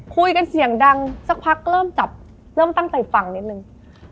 คุยกันเสียงดังสักพักเริ่มจับเริ่มตั้งใจฟังนิดนึง